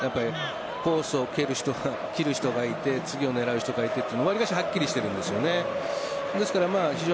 コースを切る人がいて次を狙う人がいてわりかしはっきりしているんですよね。